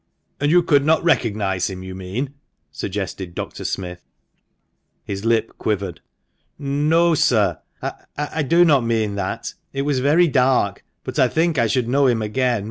" And you could not recognise him, you mean ?" suggested Dr. Smith. His lip quivered. "No, sir, I do not mean that. It was very dark, but I think I should know him again.